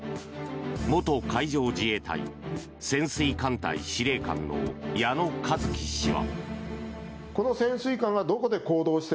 元海上自衛隊潜水艦隊司令官の矢野一樹氏は。